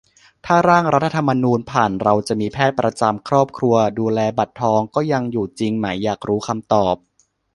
ถ้า ร่างรัฐธรรมนูญ ผ่าน เราจะมีแพทย์ประจำครอบครัวดูแล บัตรทอง ก็ยังอยู่จริงไหม อยากรู้คำตอบ